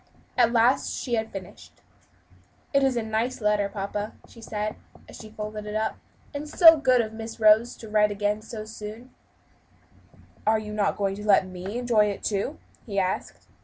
At last she had finished. "It is such a nice letter, papa," she said as she folded it up, "and so good of Miss Rose to write to me again so soon." "Are you not going to let me enjoy it, too?" he asked.